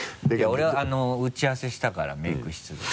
俺打ち合わせしたからメイク室で。